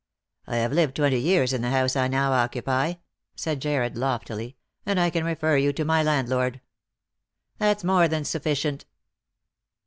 " I have lived twenty years in the house I now occupy," said Jarred loftily ;" and I can refer you to my landlord." 356 Lost for Love. " That's more than sufficient."